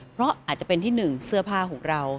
เพราะอาจจะเป็นที่๑เสื้อผ้าของเรา